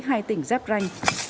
hai tỉnh giáp ranh